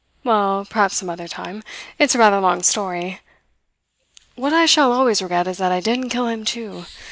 Well, perhaps some other time it's a rather long story. What I shall always regret is that I didn't kill him, too.